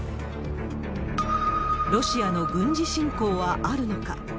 ロシアの軍事侵攻はあるのか。